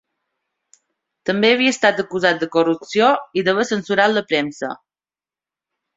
També havia estat acusat de corrupció i d’haver censurat la premsa.